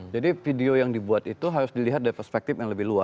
video yang dibuat itu harus dilihat dari perspektif yang lebih luas